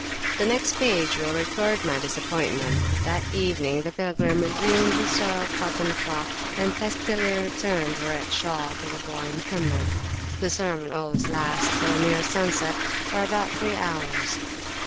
The next page will record my disappointmentthat evening the pilgrim resumed his soiled cotton cloth, and testily returned the red shawl to the boy Mohammed. The sermon always lasts till near sunset, or about three hours.